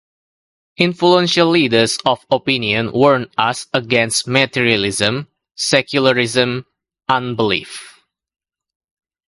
Influential leaders of opinion warn us against materialism, secularism, unbelief.